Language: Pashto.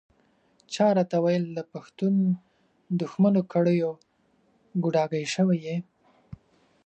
چا راته ویل د پښتون دښمنو کړیو ګوډاګی شوی یې.